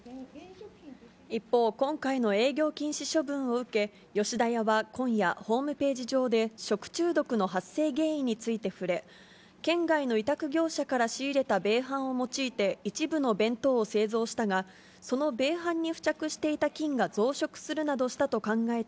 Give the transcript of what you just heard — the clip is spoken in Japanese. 一方、今回の営業禁止処分を受け、吉田屋は今夜、ホームページ上で食中毒の発生原因について触れ、県外の委託業者から仕入れた米飯を用いて一部の弁当を製造したが、トヨタイムズの富川悠太です